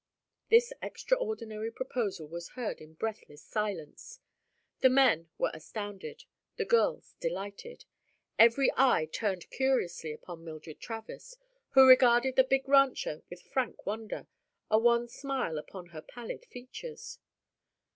This extraordinary proposal was heard in breathless silence. The men were astounded, the girls delighted. Every eye turned curiously upon Mildred Travers, who regarded the big rancher with frank wonder, a wan smile upon her pallid features.